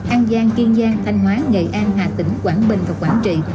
an giang kiên giang thanh hóa nghệ an hà tĩnh quảng bình và quảng trị